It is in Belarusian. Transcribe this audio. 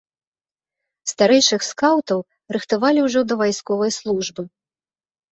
Старэйшых скаўтаў рыхтавалі ўжо да вайсковай службы.